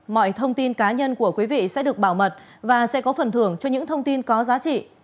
mọi thông tin cá nhân của quý vị sẽ được bảo mật và sẽ có phần thưởng cho những thông tin có giá trị